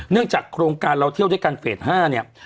จากโครงการเราเที่ยวด้วยกันเฟส๕เนี่ย